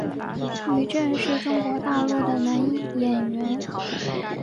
于震是中国大陆的男演员。